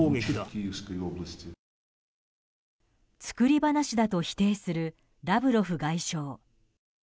作り話だと否定するラブロフ外相。